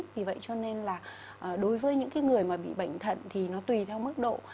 vì vậy cho nên là đối với những người bị bệnh thận thì nó tùy theo mức độ